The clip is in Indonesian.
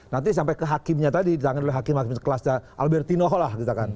nanti sampai ke hakimnya tadi ditangani oleh hakim hakim sekelas albertino lah